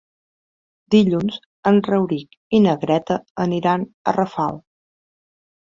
Dilluns en Rauric i na Greta aniran a Rafal.